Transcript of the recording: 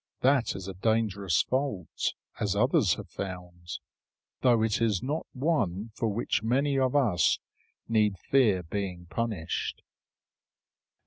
That is a dangerous fault, as others have found; though it is not one for which many of us need fear being punished.